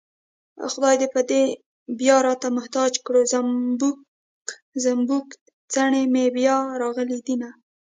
خدای به دې بيا راته محتاج کړي زومبک زومبک څڼې مې بيا راغلي دينه